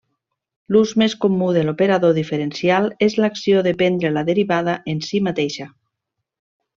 L'ús més comú de l'operador diferencial és l'acció de prendre la derivada en si mateixa.